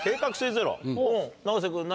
永瀬君何？